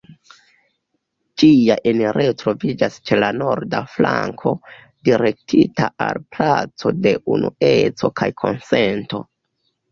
Ĝia enirejo troviĝas ĉe la norda flanko, direktita al placo de Unueco kaj Konsento.